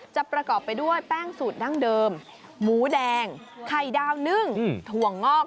ประกอบไปด้วยแป้งสูตรดั้งเดิมหมูแดงไข่ดาวนึ่งถั่วงอก